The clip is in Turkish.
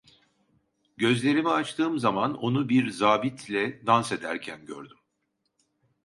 Gözlerimi açtığım zaman onu bir zabitle dans ederken gördüm.